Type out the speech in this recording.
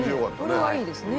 これはいいですね。